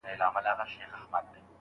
شرنګوه مي په نغمو کي زنګوه مي په ټالو کي